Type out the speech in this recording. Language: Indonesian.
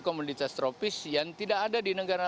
komoditas tropis yang tidak ada di negara